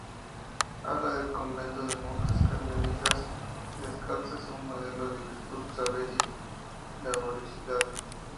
Habla del convento de monjas Carmelitas Descalzas, un modelo de virtud, saber y laboriosidad.